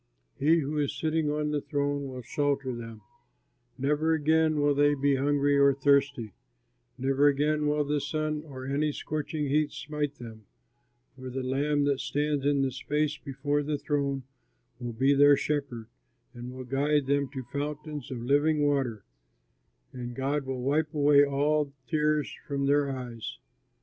He who is sitting on the throne will shelter them; never again will they be hungry or thirsty; never again will the sun or any scorching heat smite them, for the Lamb that stands in the space before the throne will be their shepherd and will guide them to fountains of living water; and God will wipe away all tears from their eyes."